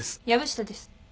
藪下です。